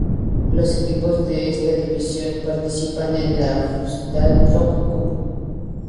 Los equipos de esta división participan en la Futsal Rock Cup.